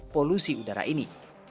polusi udara ini